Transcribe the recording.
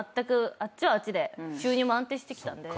あっちはあっちで収入も安定してきたんで。